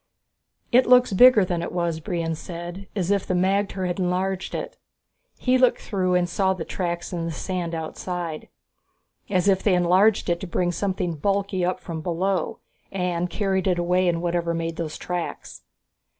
"It looks bigger than it was," Brion said, "as if the magter had enlarged it." He looked through and saw the tracks on the sand outside. "As if they had enlarged it to bring something bulky up from below and carried it away in whatever made those tracks!"